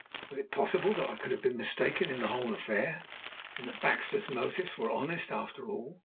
Was it possible that I could have been mistaken in the whole affair, and that Baxter's motives were honest after all?